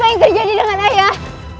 apa yang terjadi dengan ayah